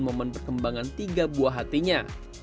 momen perkembangan tiga buah hatinya